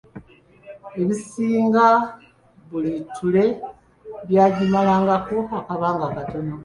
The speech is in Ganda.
Ebisinga buli ttule byagimalangako akabanga katono.